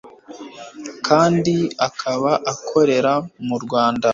kandi akaba akorera mu rwanda